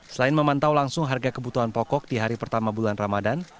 selain memantau langsung harga kebutuhan pokok di hari pertama bulan ramadan